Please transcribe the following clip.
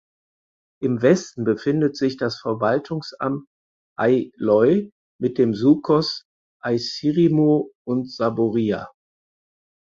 Im Westen befindet sich das Verwaltungsamt Aileu mit den Sucos Aissirimou und Saboria.